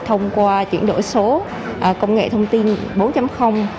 thông qua chuyển đổi số công nghệ thông tin bốn